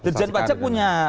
dirjen pajak punya